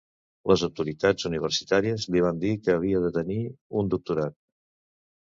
Les autoritats universitàries li van dir que havia de tenir un doctorat.